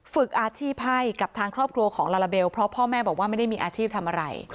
ฝึกอาชีพให้กับทางครอบครัวของลาลาเบลเพราะพ่อแม่บอกว่าไม่ได้มีอาชีพทำอะไร